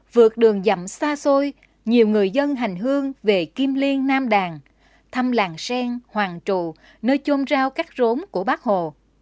vượt đường dặm xa xôi nhiều người dân hành hương về kim liên nam đàn thăm làng sen hoàng trụ nơi chôm rao các rốn của bác hồ